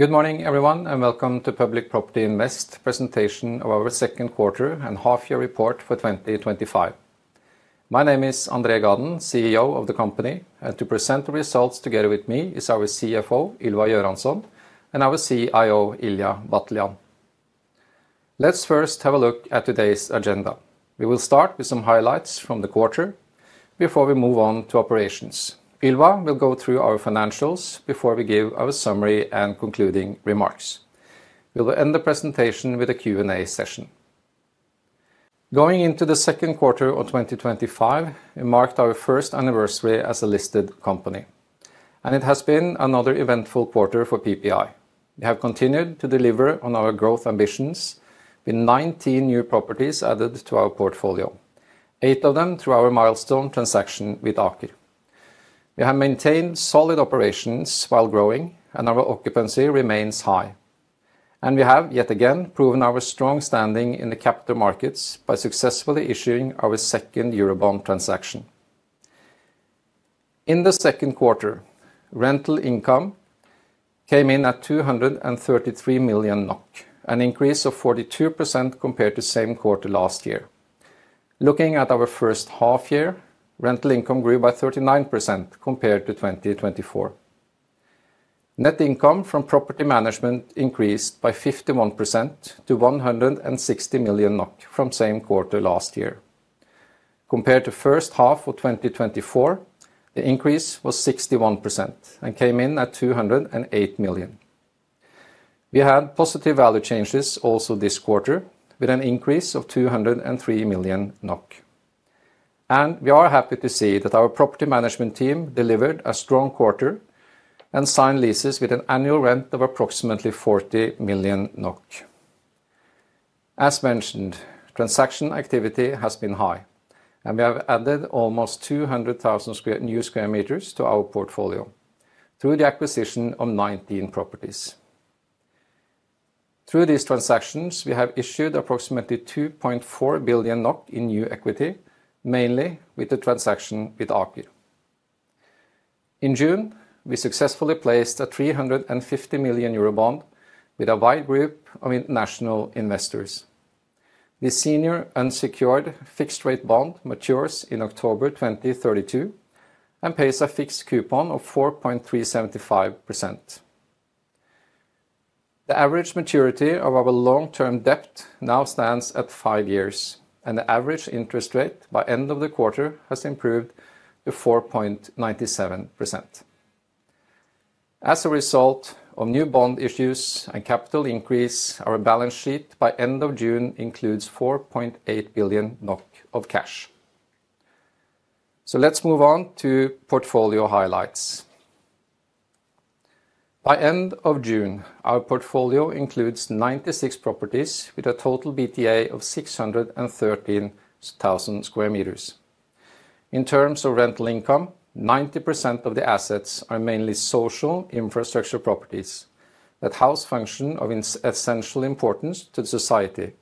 Good morning, everyone, and welcome to Public Property Invest ASA's presentation of our second quarter and half-year report for 2025. My name is André Gaden, CEO of the company, and to present the results together with me is our CFO, Ylva Göransson, and our CIO, Ilija Batljan. Let's first have a look at today's agenda. We will start with some highlights from the quarter before we move on to operations. Ylva will go through our financials before we give our summary and concluding remarks. We will end the presentation with a Q&A session. Going into the second quarter of 2025, we marked our first anniversary as a listed company, and it has been another eventful quarter for PPI. We have continued to deliver on our growth ambitions, with 19 new properties added to our portfolio, eight of them through our milestone transaction with Aker. We have maintained solid operations while growing, and our occupancy remains high. We have yet again proven our strong standing in the capital markets by successfully issuing our second Eurobond transaction. In the second quarter, rental income came in at 233 million NOK, an increase of 42% compared to the same quarter last year. Looking at our first half-year, rental income grew by 39% compared to 2024. Net income from property management increased by 51% to 160 million NOK from the same quarter last year. Compared to the first half of 2024, the increase was 61% and came in at 208 million. We had positive value changes also this quarter, with an increase of 203 million NOK. We are happy to see that our property management team delivered a strong quarter and signed leases with an annual rent of approximately 40 million NOK. As mentioned, transaction activity has been high, and we have added almost 200,000 new sq m to our portfolio through the acquisition of 19 properties. Through these transactions, we have issued approximately 2.4 billion NOK in new equity, mainly with the transaction with Aker. In June, we successfully placed a 350 million Eurobond with a wide group of international investors. This senior unsecured fixed-rate bond matures in October 2032 and pays a fixed coupon of 4.375%. The average maturity of our long-term debt now stands at five years, and the average interest rate by the end of the quarter has improved to 4.97%. As a result of new bond issues and capital increase, our balance sheet by the end of June includes 4.8 billion NOK of cash. Let's move on to portfolio highlights. By the end of June, our portfolio includes 96 properties with a total BTA of 613,000 sq m. In terms of rental income, 90% of the assets are mainly social infrastructure properties that house functions of essential importance to society,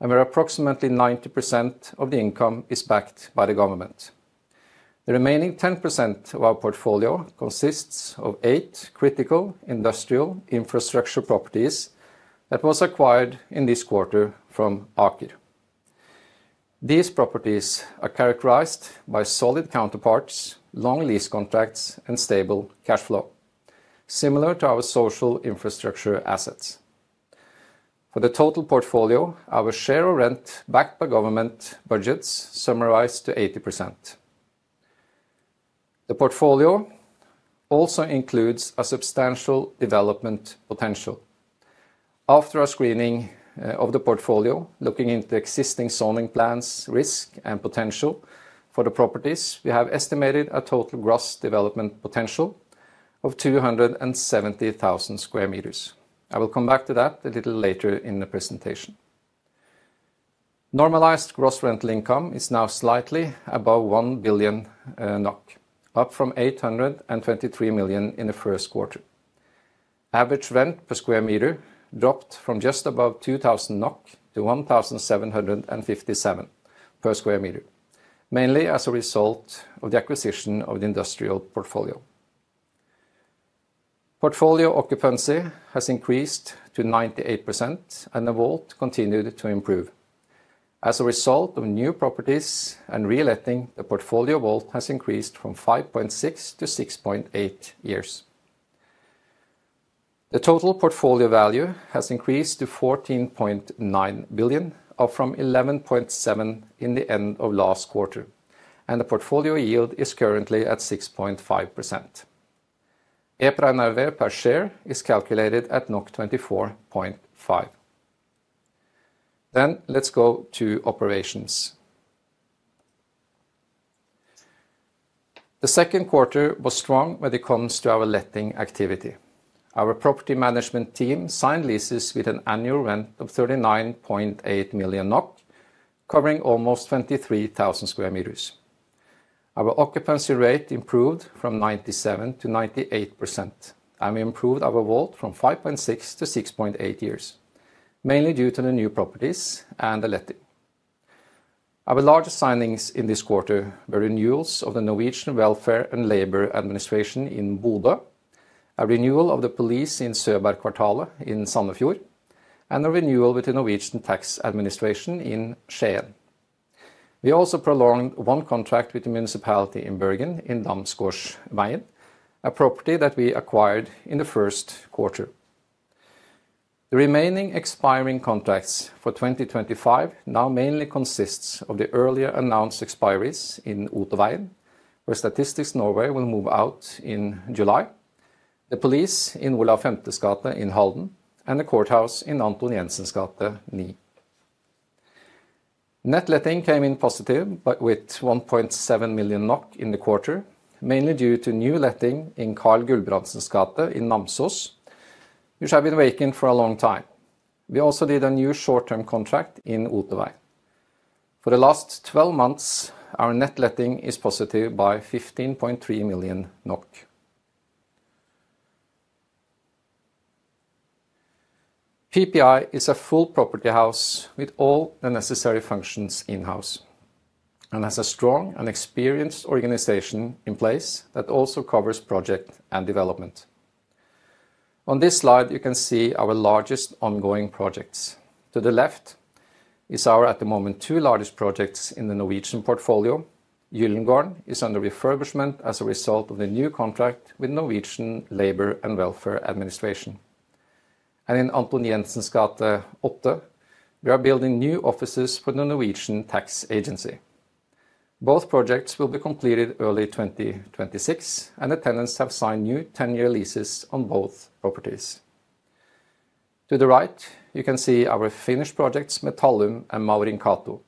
and where approximately 90% of the income is backed by the government. The remaining 10% of our portfolio consists of eight critical industrial infrastructure properties that were acquired in this quarter from Aker. These properties are characterized by solid counterparts, long lease contracts, and stable cash flow, similar to our social infrastructure assets. For the total portfolio, our share of rent backed by government budgets summarized to 80%. The portfolio also includes a substantial development potential. After our screening of the portfolio, looking into existing zoning plans, risk, and potential for the properties, we have estimated a total gross development potential of 270,000 sq m. I will come back to that a little later in the presentation. Normalized gross rental income is now slightly above 1 billion NOK, up from 823 million in the first quarter. Average rent per square meter dropped from just above 2,000 NOK to 1,757 per square meter, mainly as a result of the acquisition of the industrial portfolio. Portfolio occupancy has increased to 98%, and the vault continued to improve. As a result of new properties and re-letting, the portfolio vault has increased from 5.6 to 6.8 years. The total portfolio value has increased to 14.9 billion, up from 11.7 billion in the end of last quarter, and the portfolio yield is currently at 6.5%. EPR NAV per share is calculated at NOK 24.5. The second quarter was strong when it comes to our letting activity. Our property management team signed leases with an annual rent of 39.8 million NOK, covering almost 23,000 sq m. Our occupancy rate improved from 97% to 98%, and we improved our vault from 5.6 to 6.8 years, mainly due to the new properties and the letting. Our largest signings in this quarter were renewals of the Norwegian Welfare and Labour Administration in Bodø, a renewal of the police in Søbardkvartalet in Sandefjord, and a renewal with the Norwegian Tax Administration in Skien. We also prolonged one contract with the municipality in Bergen, in Damsgårdsvegen, a property that we acquired in the first quarter. The remaining expiring contracts for 2025 now mainly consist of the earlier announced expiry in Otervegen, where Statistics Norway will move out in July, the police in Olav Vs gate in Halden, and the courthouse in Anton Jenssens gate 9. Net letting came in positive with 1.7 million NOK in the quarter, mainly due to new letting in Karl Gulbrandsen's gate in Namsos, which had been vacant for a long time. We also did a new short-term contract in Otervegen. For the last 12 months, our net letting is positive by 15.3 million NOK. PPI is a full property house with all the necessary functions in-house and has a strong and experienced organization in place that also covers project and development. On this slide, you can see our largest ongoing projects. To the left are our, at the moment, two largest projects in the Norwegian portfolio. GyllenGården is under refurbishment as a result of the new contract with the Norwegian Labour and Welfare Administration. In Anton Jenssens gate 8, we are building new offices for the Norwegian Tax Agency. Both projects will be completed early 2026, and the tenants have signed new 10-year leases on both properties. To the right, you can see our Finnish projects, Metallum and Maurinkatu,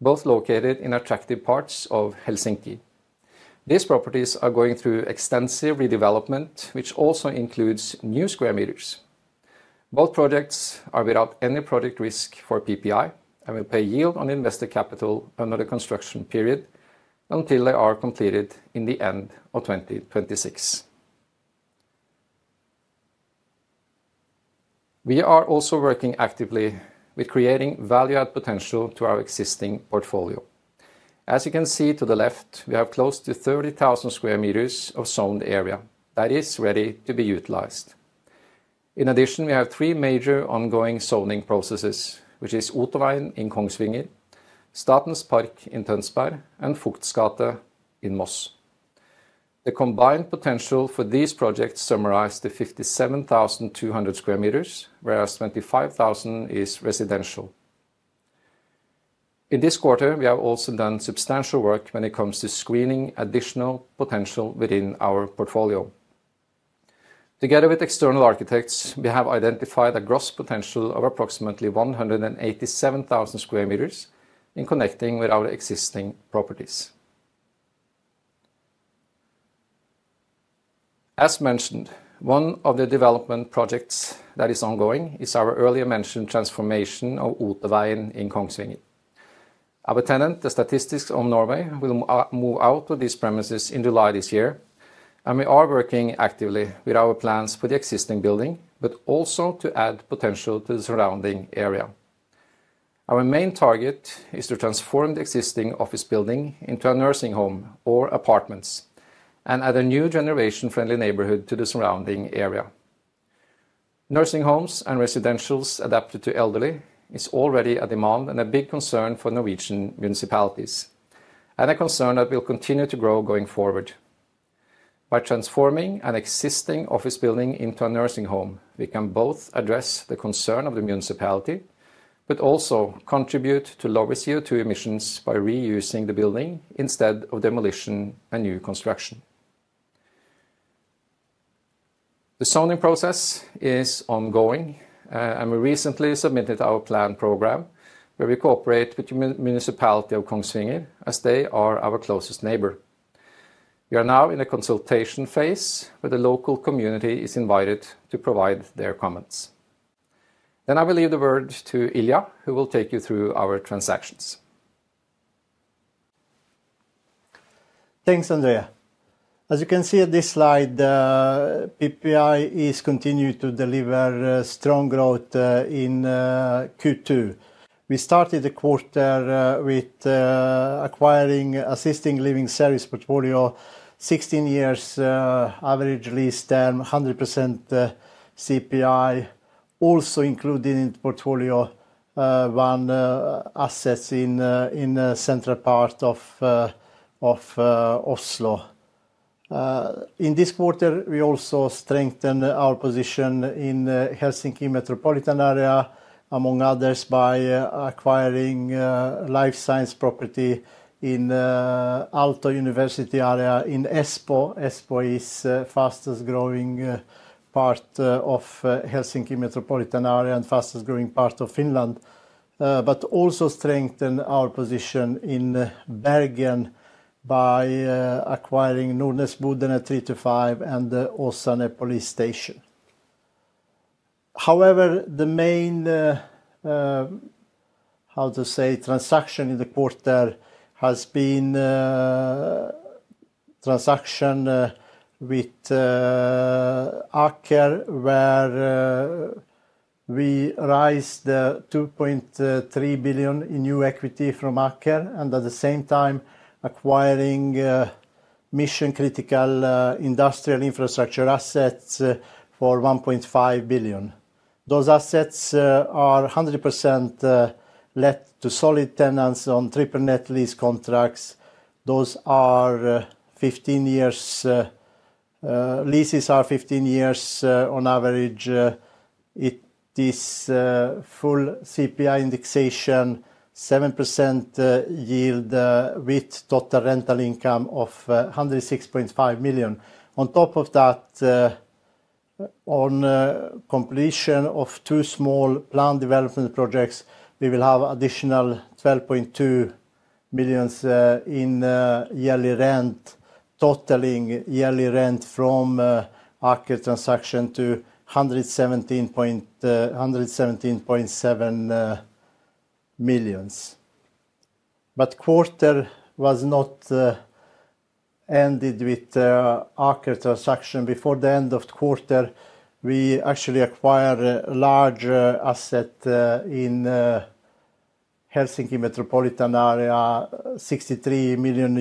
both located in attractive parts of Helsinki. These properties are going through extensive redevelopment, which also includes new sq m. Both projects are without any project risk for PPI and will pay yield on investor capital under the construction period until they are completed in the end of 2026. We are also working actively with creating value-add potential to our existing portfolio. As you can see to the left, we have close to 30,000 sq m of zoned area that is ready to be utilized. In addition, we have three major ongoing zoning processes, which are Otervegen in Kongsvinger, Statens Park in Tønsberg, and Fuktsgata in Moss. The combined potential for these projects summarized to 57,200 sq m, whereas 25,000 is residential. In this quarter, we have also done substantial work when it comes to screening additional potential within our portfolio. Together with external architects, we have identified a gross potential of approximately 187,000 sq m in connection with our existing properties. As mentioned, one of the development projects that is ongoing is our earlier mentioned transformation of in Otervegen Kongsvinger. Our tenant, Statistics of Norway, will move out of these premises in July this year, and we are working actively with our plans for the existing building, but also to add potential to the surrounding area. Our main target is to transform the existing office building into a nursing home or apartments and add a new generation-friendly neighborhood to the surrounding area. Nursing homes and residentials adapted to elderly are already a demand and a big concern for Norwegian municipalities, and a concern that will continue to grow going forward. By transforming an existing office building into a nursing home, we can both address the concern of the municipality but also contribute to lower CO2 emissions by reusing the building instead of demolition and new construction. The zoning process is ongoing, and we recently submitted our plan program where we cooperate with the municipality of Kongsvinger, as they are our closest neighbor. We are now in a consultation phase where the local community is invited to provide their comments. I will leave the word to Ilija, who will take you through our transactions. Thanks, André. As you can see at this slide, PPI is continuing to deliver strong growth in Q2. We started the quarter with acquiring Assisted Living Services portfolio, 16 years average lease term, 100% CPI. Also included in the portfolio are one asset in the central part of Oslo. In this quarter, we also strengthened our position in the Helsinki metropolitan area, among others, by acquiring Life Science property in the Aalto University area in Espoo. Espoo is the fastest growing part of the Helsinki metropolitan area and the fastest growing part of Finland, but also strengthened our position in Bergen by acquiring Nordnesbodene 3-5 and the Åsane Politistasjon. However, the main, how to say, transaction in the quarter has been a transaction with Aker, where we raised 2.3 billion in new equity from Aker and at the same time acquiring mission-critical industrial infrastructure assets for 1.5 billion. Those assets are 100% lent to solid tenants on triple net lease contracts. Those are 15 years. Leases are 15 years on average. It is full CPI indexation, 7% yield with total rental income of 106.5 million. On top of that, on completion of two small planned development projects, we will have additional 12.2 million in yearly rent, totaling yearly rent from Aker transaction to NOK 117.7 million. The quarter was not ended with the Aker transaction. Before the end of the quarter, we actually acquired a large asset in the Helsinki metropolitan area, EUR 63 million,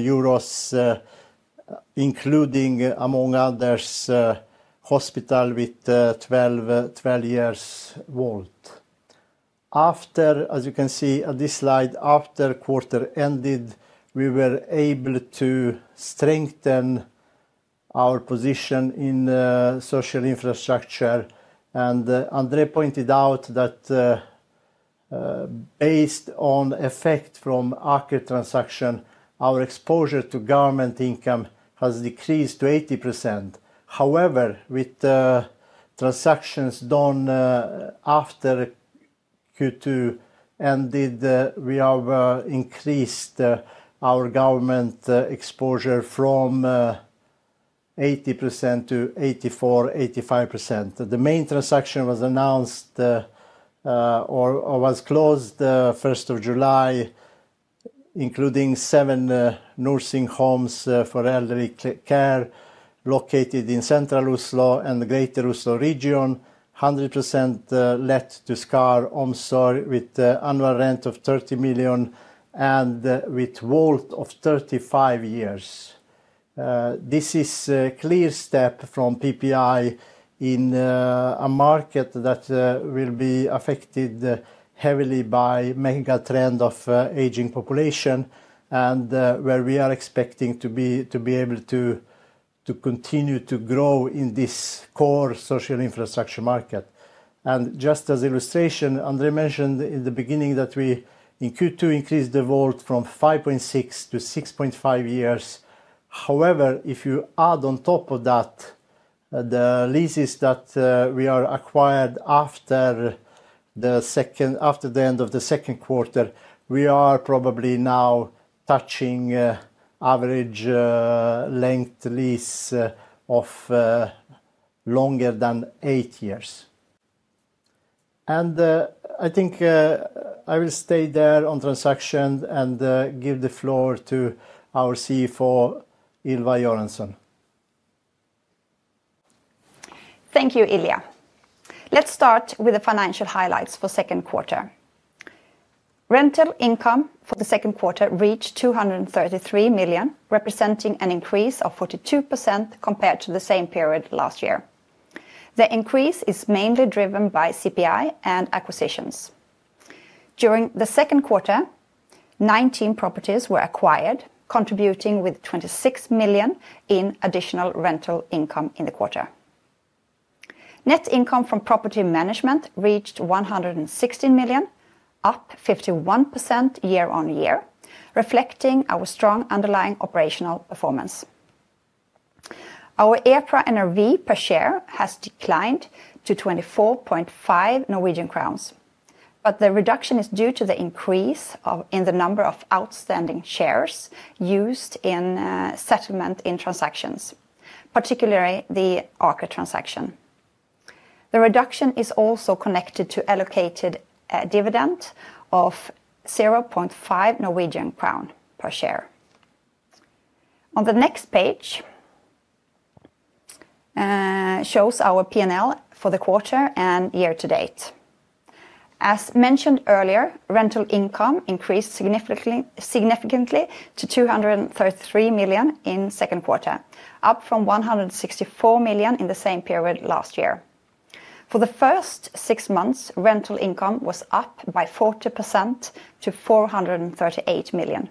including, among others, a hospital with a 12-year vault. As you can see at this slide, after the quarter ended, we were able to strengthen our position in social infrastructure. André pointed out that based on the effect from Aker transaction, our exposure to government income has decreased to 80%. With the transactions done after Q2 ended, we have increased our government exposure from 80%, 84%, 85%. The main transaction was announced or was closed 1 July, including seven nursing homes for elderly care located in central Oslo and the greater Oslo region, 100% lent to Skar OMSOR with annual rent of 30 million and with a vault of 35 years. This is a clear step from PPI in a market that will be affected heavily by the mega trend of the ageing population and where we are expecting to be able to continue to grow in this core social infrastructure market. Just as an illustration, André mentioned in the beginning that we, in Q2, increased the vault from 5.6 to 6.5 years. If you add on top of that the leases that we acquired after the end of the second quarter, we are probably now touching the average length lease of longer than eight years. I think I will stay there on transactions and give the floor to our CFO, Ylva Göransson. Thank you, Ilija. Let's start with the financial highlights for the second quarter. Rental income for the second quarter reached 233 million, representing an increase of 42% compared to the same period last year. The increase is mainly driven by CPI and acquisitions. During the second quarter, 19 properties were acquired, contributing with 26 million in additional rental income in the quarter. Net income from property management reached 116 million, up 51% year-on-year, reflecting our strong underlying operational performance. Our EPR NAV per share has declined to 24.5 Norwegian crowns, but the reduction is due to the increase in the number of outstanding shares used in settlement in transactions, particularly the Aker transaction. The reduction is also connected to allocated dividend of 0.5 Norwegian crown per share. On the next page, it shows our P&L for the quarter and year to date. As mentioned earlier, rental income increased significantly to 233 million in the second quarter, up from 164 million in the same period last year. For the first six months, rental income was up by 40% to 438 million.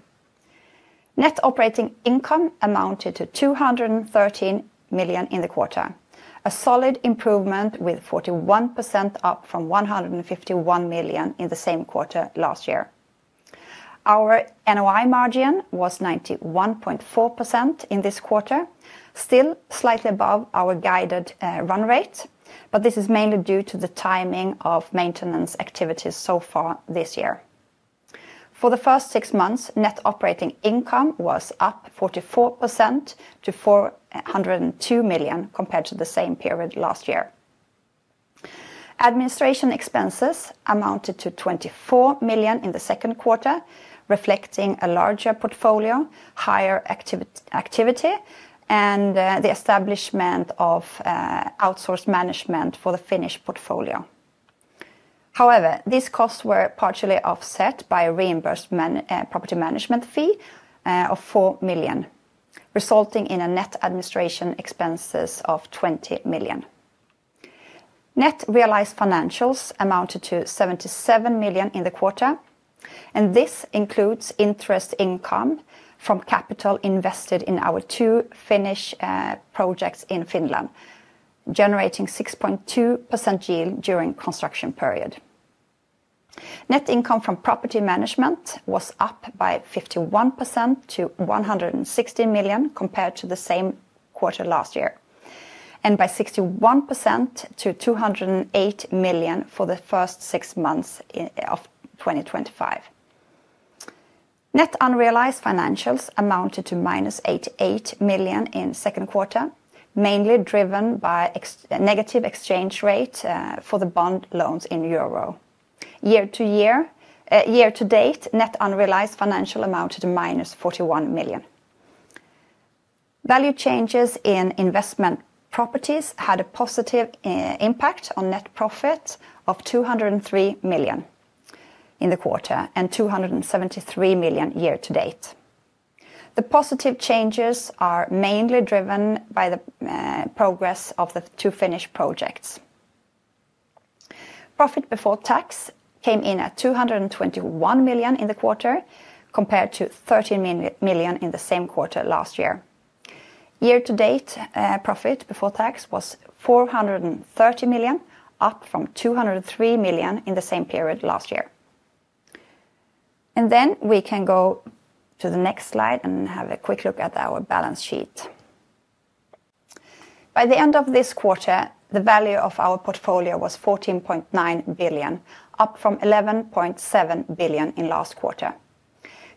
Net operating income amounted to 213 million in the quarter, a solid improvement with 41% up from 151 million in the same quarter last year. Our NOI margin was 91.4% in this quarter, still slightly above our guided run rate, but this is mainly due to the timing of maintenance activities so far this year. For the first six months, net operating income was up 44% to 402 million compared to the same period last year. Administration expenses amounted to 24 million in the second quarter, reflecting a larger portfolio, higher activity, and the establishment of outsourced management for the Finnish portfolio. However, these costs were partially offset by a reimbursed property management fee of 4 million, resulting in net administration expenses of 20 million. Net realised financials amounted to 77 million in the quarter, and this includes interest income from capital invested in our two Finnish projects in Finland, generating 6.2% yield during the construction period. Net income from property management was up by 51% to 160 million compared to the same quarter last year, and by 61% to 208 million for the first six months of 2025. Net unrealised financials amounted to -88 million in the second quarter, mainly driven by a negative exchange rate for the bond loans in Euro. Year to date, net unrealised financials amounted to -NOK 41 million. Value changes in investment properties had a positive impact on net profit of 203 million in the quarter and 273 million year to date. The positive changes are mainly driven by the progress of the two Finnish projects. Profit before tax came in at 221 million in the quarter, compared to 13 million in the same quarter last year. Year to date, profit before tax was 430 million, up from 203 million in the same period last year. We can go to the next slide and have a quick look at our balance sheet. By the end of this quarter, the value of our portfolio was 14.9 billion, up from 11.7 billion in the last quarter.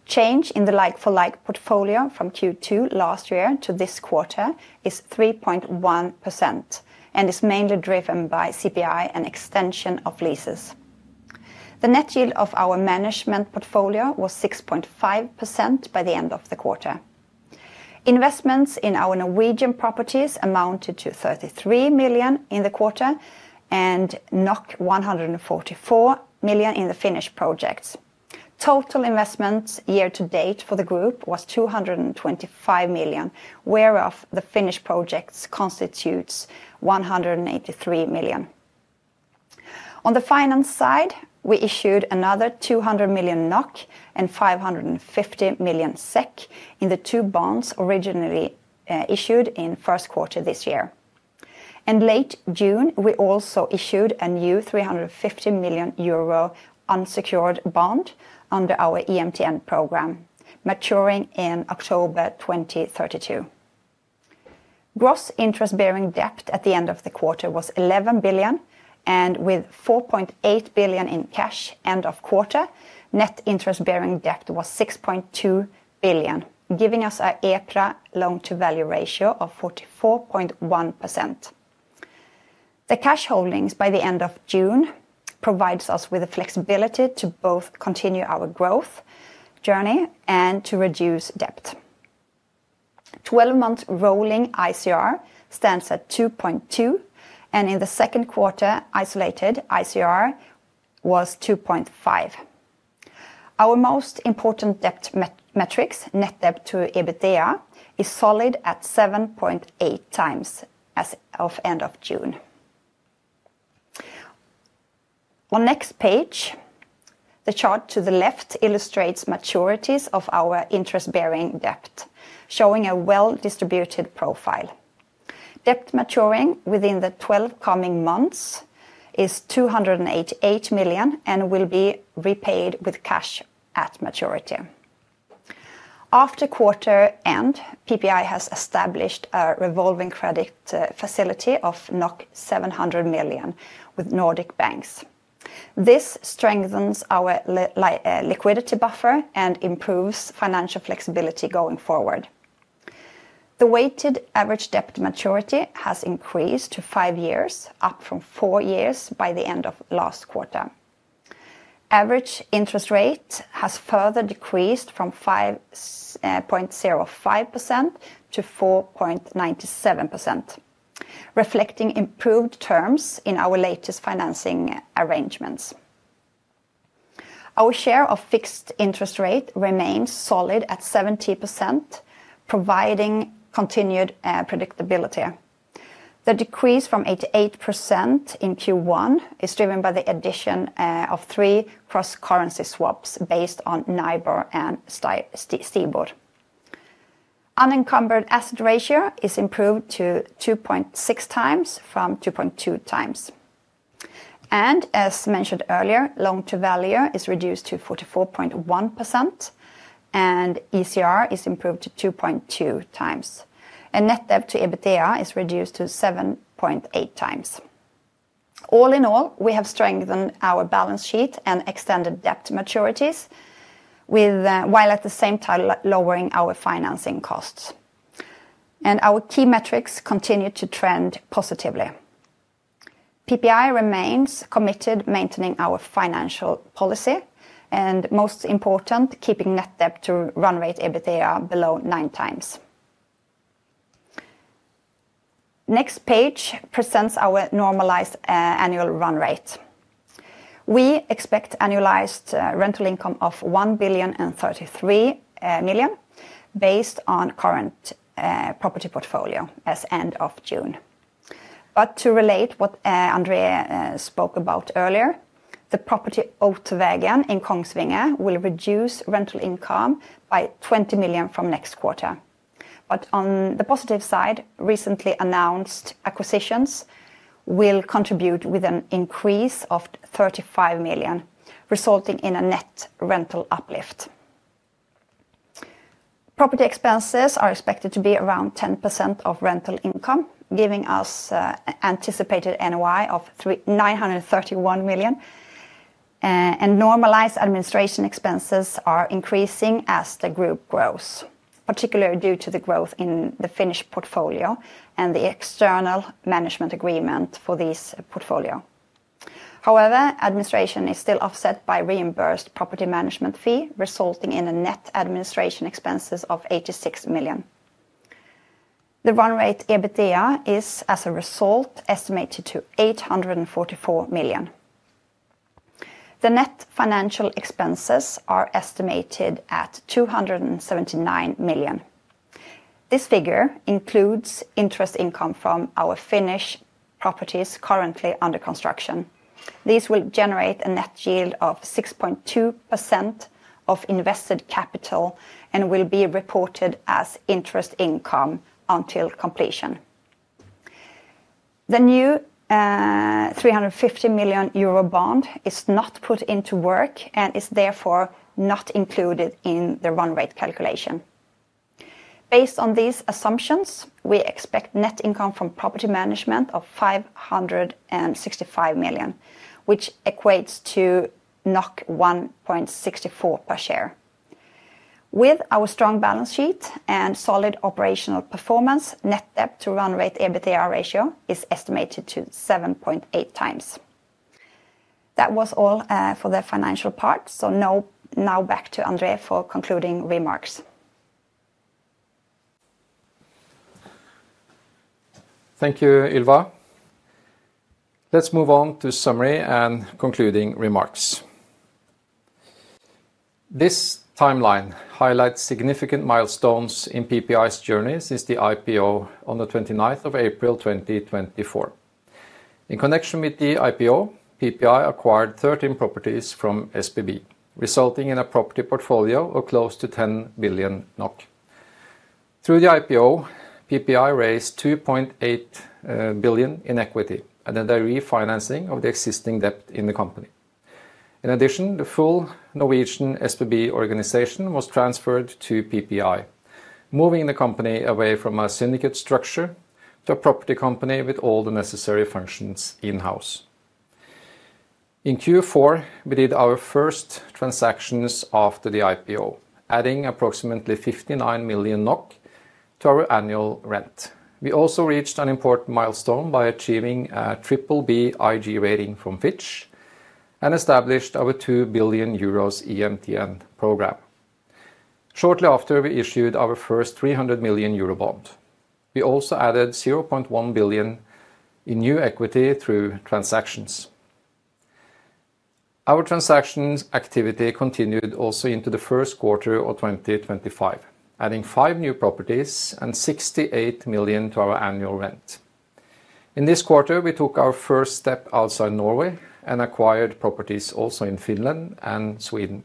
Change in the like-for-like portfolio from Q2 last year to this quarter is 3.1% and is mainly driven by CPI and extension of leases. The net yield of our management portfolio was 6.5% by the end of the quarter. Investments in our Norwegian properties amounted to 33 million in the quarter and 144 million in the Finnish projects. Total investment year to date for the group was 225 million, whereas the Finnish projects constitute 183 million. On the finance side, we issued another 200 million NOK and 550 million SEK in the two bonds originally issued in the first quarter of this year. In late June, we also issued a new 350 million euro unsecured Eurobond under our EMTN programme, maturing in October 2032. Gross interest-bearing debt at the end of the quarter was 11 billion, and with 4.8 billion in cash end of quarter, net interest-bearing debt was 6.2 billion, giving us an EPR loan-to-value ratio of 44.1%. The cash holdings by the end of June provide us with the flexibility to both continue our growth journey and to reduce debt. The 12-month rolling ICR stands at 2.2, and in the second quarter, the isolated ICR was 2.5. Our most important debt metric, net debt to EBITDA, is solid at 7.8x as of the end of June. On the next page, the chart to the left illustrates maturities of our interest-bearing debt, showing a well-distributed profile. Debt maturing within the 12 coming months is 288 million and will be repaid with cash at maturity. After the quarter ends, Public Property Invest ASA has established a revolving credit facility of 700 million with Nordic Banks. This strengthens our liquidity buffer and improves financial flexibility going forward. The weighted average debt maturity has increased to five years, up from four years by the end of last quarter. The average interest rate has further decreased from 5.05%-4.97%, reflecting improved terms in our latest financing arrangements. Our share of fixed interest rate remains solid at 70%, providing continued predictability. The decrease from 88% in Q1 is driven by the addition of three cross-currency swaps based on NIBOR and STIBOR. The unencumbered asset ratio is improved to 2.6x from 2.2x. As mentioned earlier, the loan-to-value is reduced to 44.1%, and the ECR is improved to 2.2 times. The net debt to EBITDA is reduced to 7.8x. All in all, we have strengthened our balance sheet and extended debt maturities, while at the same time lowering our financing costs. Our key metrics continue to trend positively. PPI remains committed to maintaining our financial policy, and most important, keeping the net debt to run rate EBITDA below nine times. The next page presents our normalised annual run rate. We expect annualized rental income of 1,033 million based on the current property portfolio as of the end of June. To relate what André Gaden spoke about earlier, the property Otervegen in Kongsvinge will reduce rental income by 20 million from the next quarter. On the positive side, recently announced acquisitions will contribute with an increase of 35 million, resulting in a net rental uplift. Property expenses are expected to be around 10% of rental income, giving us an anticipated NOI of 931 million. Normalised administration expenses are increasing as the group grows, particularly due to the growth in the Finnish portfolio and the external management agreement for this portfolio. However, administration is still offset by a reimbursed property management fee, resulting in a net administration expense of 86 million. The run rate EBITDA is, as a result, estimated to 844 million. The net financial expenses are estimated at 279 million. This figure includes interest income from our Finnish properties currently under construction. These will generate a net yield of 6.2% of invested capital and will be reported as interest income until completion. The new 350 million Eurobond is not put into work and is therefore not included in the run rate calculation. Based on these assumptions, we expect net income from property management of 565 million, which equates to 1.64 per share. With our strong balance sheet and solid operational performance, the net debt to run rate EBITDA ratio is estimated to 7.8x. That was all for the financial part, so now back to André for concluding remarks. Thank you, Ylva. Let's move on to summary and concluding remarks. This timeline highlights significant milestones in PPI's journey since the IPO on the 29th of April 2024. In connection with the IPO, PPI acquired 13 properties from SBB, resulting in a property portfolio of close to 10 billion NOK. Through the IPO, PPI raised 2.8 billion in equity and a refinancing of the existing debt in the company. In addition, the full Norwegian SBB organization was transferred to PPI, moving the company away from a syndicate structure to a property company with all the necessary functions in-house. In Q4, we did our first transactions after the IPO, adding approximately 59 million NOK to our annual rent. We also reached an important milestone by achieving a BBB investment grade rating from Fitch and established our 2 billion euros EMTN program. Shortly after, we issued our first 300 million euro bond. We also added 0.1 billion in new equity through transactions. Our transactions activity continued also into the first quarter of 2025, adding five new properties and 68 million to our annual rent. In this quarter, we took our first step outside Norway and acquired properties also in Finland and Sweden.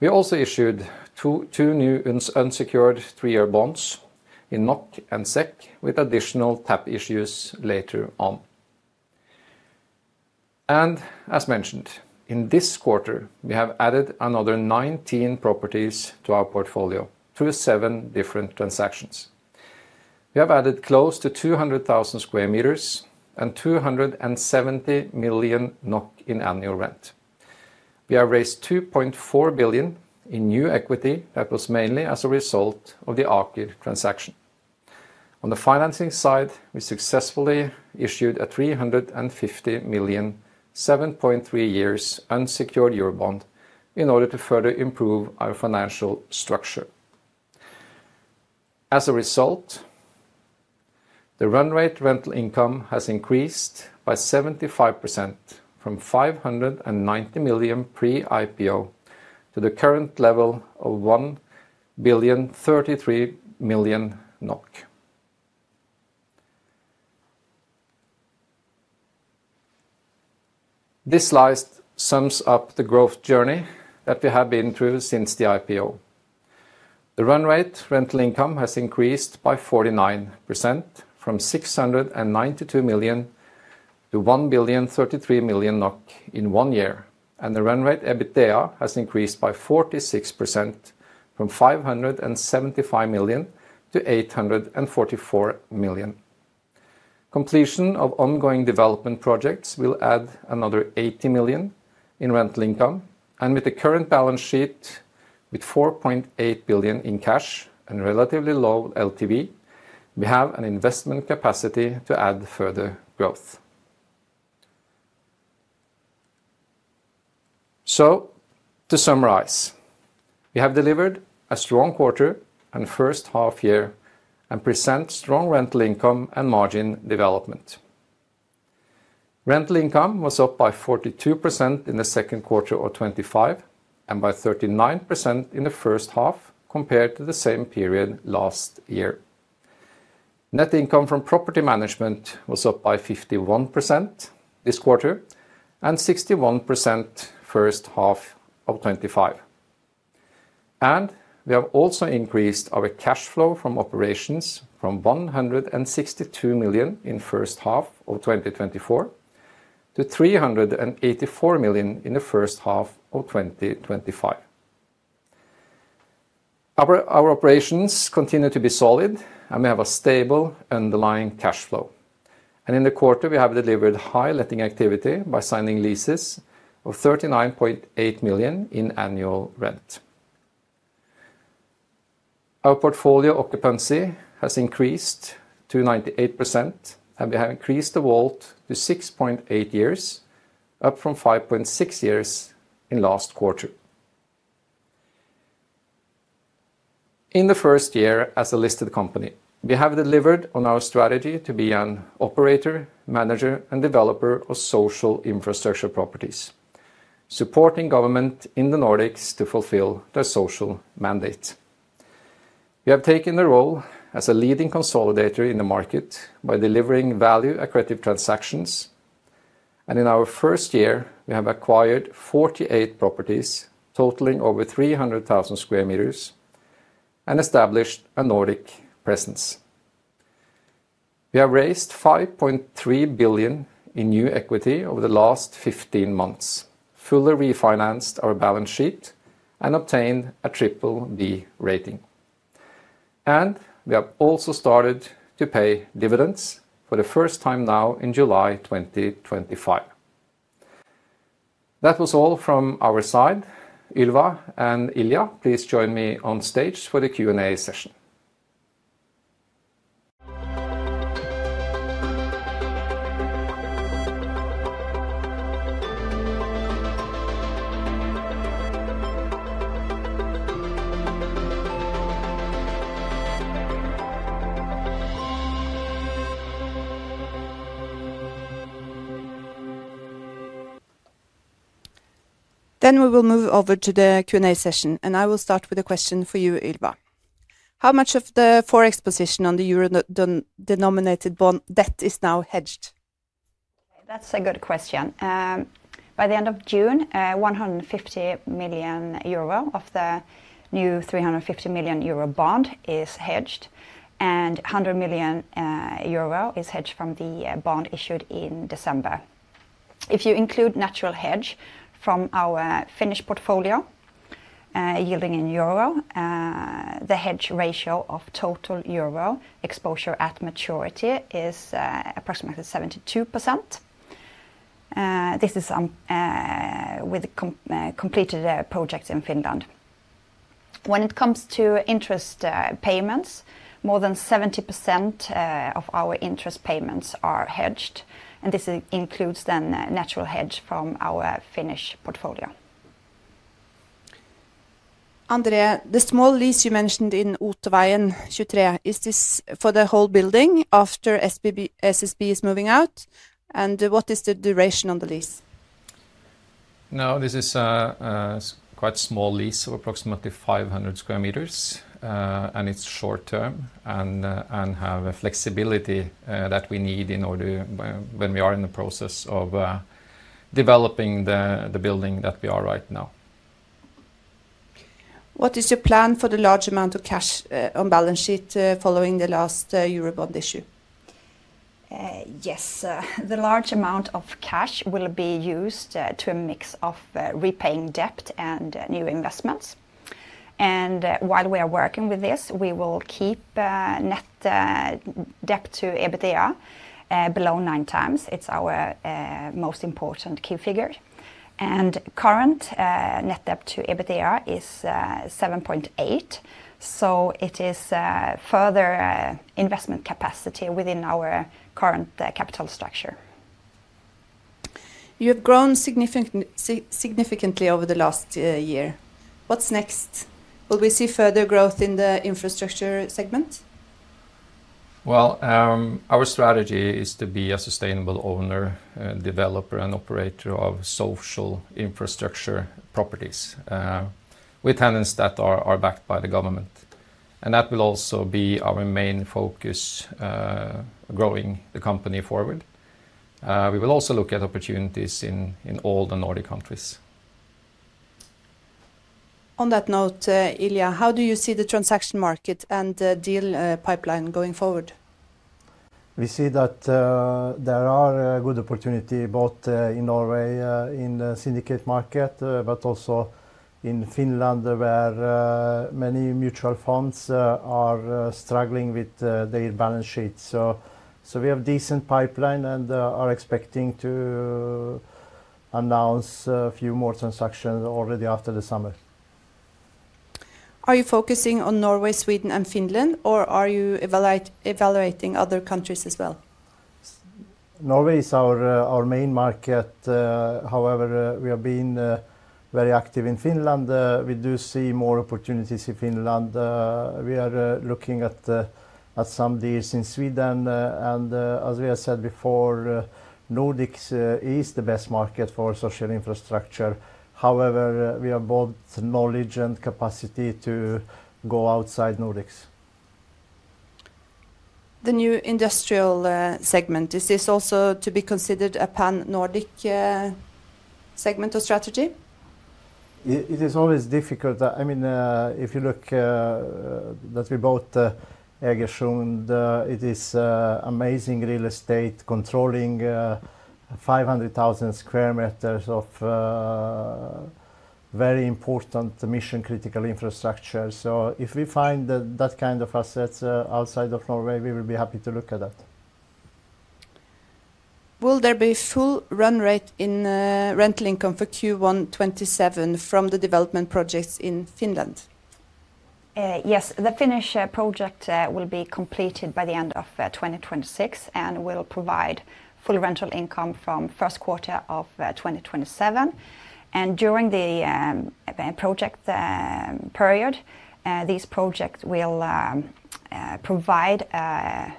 We also issued two new unsecured three-year bonds in NOK and SEK, with additional TAP issues later on. In this quarter, we have added another 19 properties to our portfolio through seven different transactions. We have added close to 200,000 sq m and 270 million NOK in annual rent. We have raised 2.4 billion in new equity that was mainly as a result of the Aker transaction. On the financing side, we successfully issued a 350 million, 7.3 years unsecured Eurobond in order to further improve our financial structure. As a result, the run rate rental income has increased by 75% from 590 million pre-IPO to the current level of 1,033 million NOK. This slide sums up the growth journey that we have been through since the IPO. The run rate rental income has increased by 49% from 692 million to 1,033 million NOK in one year, and the run rate EBITDA has increased by 46% from 575 million-844 million. Completion of ongoing development projects will add another 80 million in rental income, and with the current balance sheet with 4.8 billion in cash and relatively low LTV, we have an investment capacity to add further growth. To summarize, we have delivered a strong quarter and first half year and present strong rental income and margin development. Rental income was up by 42% in the second quarter of 2025 and by 39% in the first half compared to the same period last year. Net income from property management was up by 51% this quarter and 61% first half of 2025. We have also increased our cash flow from operations from 162 million in the first half of 2024 to 384 million in the first half of 2025. Our operations continue to be solid, and we have a stable underlying cash flow. In the quarter, we have delivered high letting activity by signing leases of 39.8 million in annual rent. Our portfolio occupancy has increased to 98%, and we have increased the vault to 6.8 years, up from 5.6 years in the last quarter. In the first year as a listed company, we have delivered on our strategy to be an operator, manager, and developer of social infrastructure properties, supporting government in the Nordics to fulfill their social mandate. We have taken the role as a leading consolidator in the market by delivering value-accretive transactions. In our first year, we have acquired 48 properties totaling over 300,000 sq m and established a Nordic presence. We have raised 5.3 billion in new equity over the last 15 months, fully refinanced our balance sheet, and obtained a BBB investment grade rating. We have also started to pay dividends for the first time now in July 2025. That was all from our side. Ylva and Ilija, please join me on stage for the Q&A session. We will move over to the Q&A session, and I will start with a question for you, Ylva. How much of the forex position on the euro-denominated bond debt is now hedged? That's a good question. By the end of June, 150 million euro of the new 350 million Eurobond is hedged, and 100 million euro is hedged from the bond issued in December. If you include natural hedge from our Finnish portfolio yielding in euros, the hedge ratio of total euro exposure at maturity is approximately 72%. This is with completed projects in Finland. When it comes to interest payments, more than 70% of our interest payments are hedged, and this includes then natural hedge from our Finnish portfolio. André, the small lease you mentioned in Otervegen 23, is this for the whole building after SSB is moving out? What is the duration on the lease? No, this is a quite small lease of approximately 500 sq m, and it's short term and has the flexibility that we need in order when we are in the process of developing the building that we are right now. What is your plan for the large amount of cash on the balance sheet following the last Eurobond issue? Yes, the large amount of cash will be used to a mix of repaying debt and new investments. While we are working with this, we will keep net debt to EBITDA below 9x. It's our most important key figure. Current net debt to EBITDA is 7.8, so there is further investment capacity within our current capital structure. You have grown significantly over the last year. What's next? Will we see further growth in the infrastructure segment? Our strategy is to be a sustainable owner, developer, and operator of social infrastructure properties with tenants that are backed by the government. That will also be our main focus, growing the company forward. We will also look at opportunities in all the Nordic countries. On that note, Ilija, how do you see the transaction market and the deal pipeline going forward? We see that there are good opportunities both in Norway in the syndicate market, but also in Finland, where many mutual funds are struggling with their balance sheets. We have a decent pipeline and are expecting to announce a few more transactions already after the summer. Are you focusing on Norway, Sweden, and Finland, or are you evaluating other countries as well? Norway is our main market. However, we have been very active in Finland. We do see more opportunities in Finland. We are looking at some deals in Sweden. As Yiva said before, the Nordics is the best market for social infrastructure. However, we have both knowledge and capacity to go outside the Nordics. The new industrial segment, is this also to be considered a pan-Nordic segment of strategy? It is always difficult. I mean, if you look at that, we bought Egersund. It is amazing real estate controlling 500,000 sq m of very important mission-critical infrastructure. If we find that kind of assets outside of Norway, we will be happy to look at that. Will there be full run rate in rental income for Q1 2027 from the development projects in Finland? Yes, the Finnish project will be completed by the end of 2026 and will provide full rental income from the first quarter of 2027. During the project period, these projects will provide a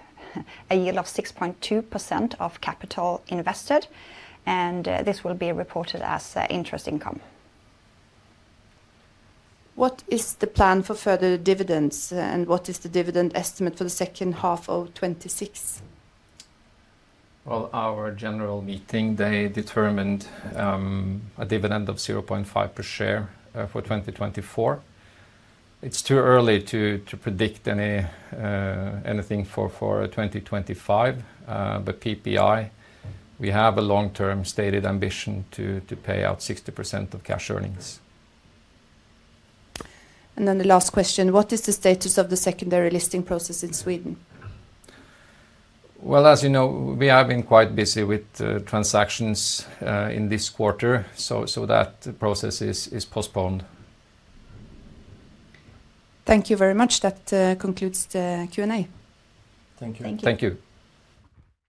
yield of 6.2% of capital invested, and this will be reported as interest income. What is the plan for further dividends, and what is the dividend estimate for the second half of 2026? Our general meeting determined a dividend of 0.5% per share for 2024. It's too early to predict anything for 2025, but PPI, we have a long-term stated ambition to pay out 60% of cash earnings. What is the status of the secondary listing process in Sweden? As you know, we have been quite busy with transactions in this quarter, so that process is postponed. Thank you very much. That concludes the Q&A. Thank you.